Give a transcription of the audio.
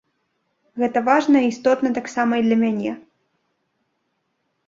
Гэта важна і істотна таксама і для мяне.